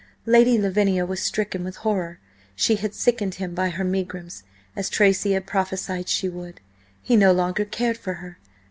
Lady Lavinia was stricken with horror. She had sickened him by her megrims, as Tracy had prophesied she would! He no longer cared for her!